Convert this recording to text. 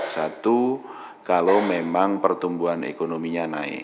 satu kalau memang pertumbuhan ekonominya naik